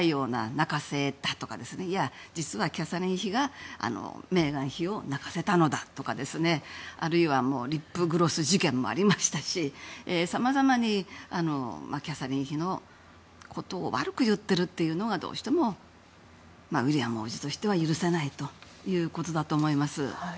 泣かせたとか実はキャサリン妃がメーガン妃を泣かせたのだとかあるいはリップグロス事件もありましたしさまざまにキャサリン妃のことを悪く言っているというのはどうしてもウィリアム王子としては許せないということだと思います。